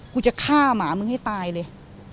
กูจะฆ่าหมามึงให้ตายเลย